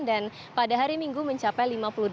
dan pada hari minggu mencapai lima puluh delapan